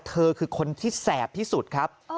เธอคือคนที่แสบที่สุดครับ